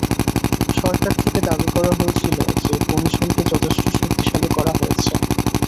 সরকার থেকে দাবি করা হয়েছিল যে কমিশনকে যথেষ্ট শক্তিশালী করা হয়েছে।